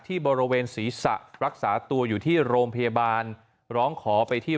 บริเวณศีรษะรักษาตัวอยู่ที่โรงพยาบาลร้องขอไปที่